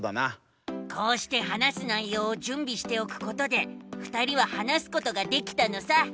こうして話す内ようを準備しておくことでふたりは話すことができたのさ。